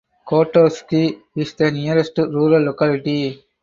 Kotovsky is the nearest rural locality.